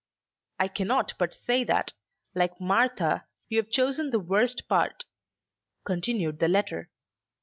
"I cannot but say that, like Martha, you have chosen the worser part," continued the letter.